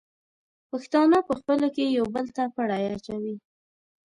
پښتانه په خپلو کې یو بل ته پړی اچوي.